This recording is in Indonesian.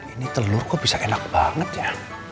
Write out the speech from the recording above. ini telur kok bisa enak banget ya